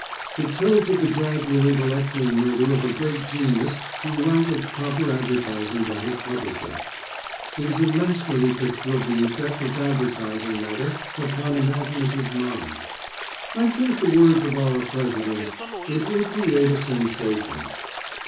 It tells of the gradual intellectual murder of a great genius through lack of proper advertising by his publisher. 'It is a masterly picture of the effect of advertising matter upon imaginative mind.' I quote the words of our President. It will create a sensation."